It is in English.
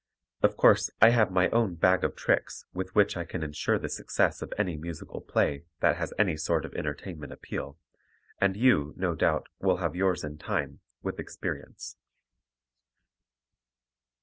Of course, I have my own "bag of tricks" with which I can insure the success of any musical play that has any sort of entertainment appeal, and you, no doubt, will have yours in time, with experience.